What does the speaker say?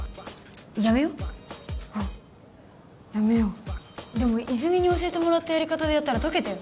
やめよううんやめようでも泉に教えてもらったやり方でやったら解けたよ